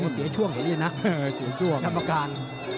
เสียช่วงเห็นยังนะธรรมการ